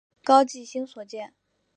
高季兴所建。